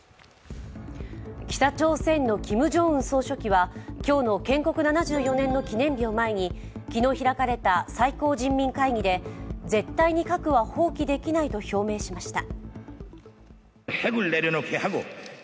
北朝鮮のキム・ジョンウン総書記は、今日の建国７４年の記念日を前に、昨日開かれた最高人民会議で絶対に核は放棄できないと表明しました。